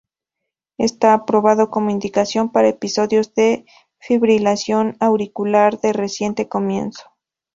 Está aprobado como indicación para episodios de fibrilación auricular de reciente comienzo.